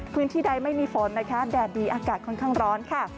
พื้นที่ใดไม่มีฝนนะคะแดดดีอากาศค่อนข้างร้อนค่ะ